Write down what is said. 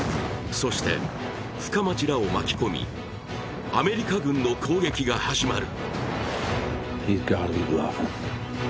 そして深町らを巻き込み、アメリカ軍の攻撃が始まる。